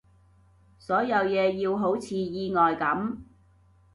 所有嘢要好似意外噉